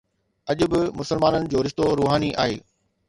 اڄ به مسلمانن جو رشتو روحاني آهي.